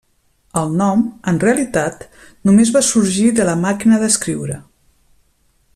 El nom, en realitat, només va sorgir de la màquina d'escriure.